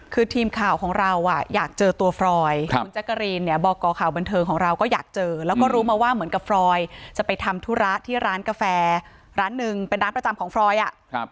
คือทีมข่าวของเราอ่ะอยากเจอตัวฟรอยคุณแจ๊กกะรีนเนี่ยบอกก่อข่าวบันเทิงของเราก็อยากเจอแล้วก็รู้มาว่าเหมือนกับฟรอยจะไปทำธุระที่ร้านกาแฟร้านหนึ่งเป็นร้านประจำของฟรอยอ่ะ